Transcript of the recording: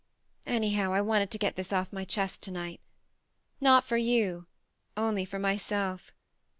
... "Anyhow, I wanted to get this off my chest to night ; not for you, only for myself.